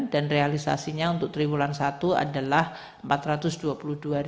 dan realisasinya untuk tiga bulan satu adalah rp empat ratus dua puluh dua